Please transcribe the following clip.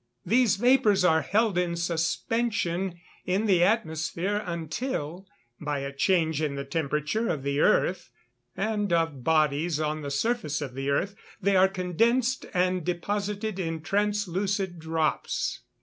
These vapours are held in suspension in the atmosphere until, by a change in the temperature of the earth, and of bodies on the surface of the earth, they are condensed, and deposited in translucid drops.